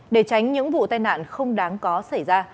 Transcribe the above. để tránh những vụ tai nạn không đáng có xảy ra